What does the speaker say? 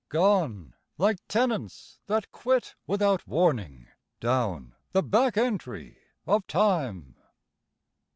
Gone, like tenants that quit without warning, Down the back entry of time.